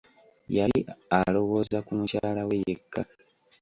Yali aloowoza ku mukyala we yekka.